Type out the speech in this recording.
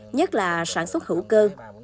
nhất là sản xuất hữu cơ